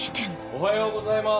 おはようございます。